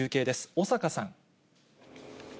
尾坂さん。